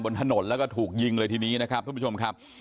บนถนนแล้วก็ถูกยิงเลยทีนี้นะครับทุกผู้ชมครับ